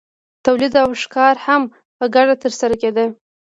تولید او ښکار هم په ګډه ترسره کیده.